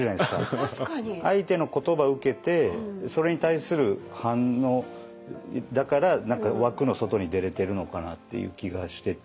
相手の言葉受けてそれに対する反応だから何か枠の外に出れてるのかなっていう気がしてて。